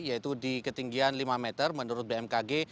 yaitu di ketinggian lima meter menurut bmkg